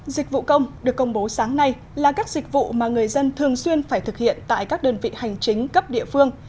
dịch vụ công được công bố sáng nay là các dịch vụ mà người dân thường xuyên phải thực hiện tại các đơn vị hành chính cấp địa phương